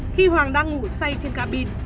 khi hoàng đang ngủ say trên cabin